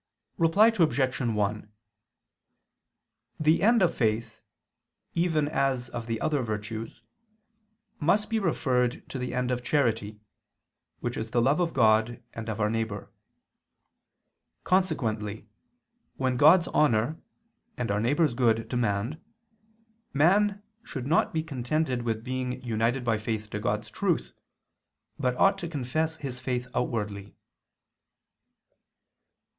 Reply Obj. 1: The end of faith, even as of the other virtues, must be referred to the end of charity, which is the love of God and our neighbor. Consequently when God's honor and our neighbor's good demand, man should not be contented with being united by faith to God's truth, but ought to confess his faith outwardly.